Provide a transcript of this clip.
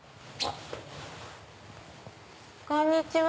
こんにちは。